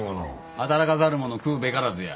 「働かざる者食うべからず」や。